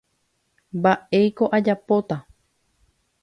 mba'éiko ajapóta.